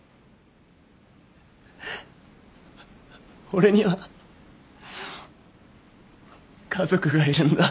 俺には家族がいるんだ。